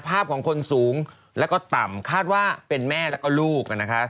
ภาพของคนสูงแล้วก็ต่ำคาดว่าเป็นแม่แล้วก็ลูกนะคะ